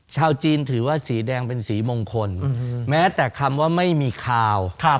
ชาวจีนถือว่าสีแดงเป็นสีมงคลแม้แต่คำว่าไม่มีคาว